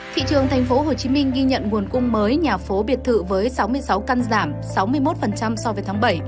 thị trường thành phố hồ chí minh ghi nhận nguồn cung mới nhà phố biệt thự với sáu mươi sáu căn giảm sáu mươi một so với tháng bảy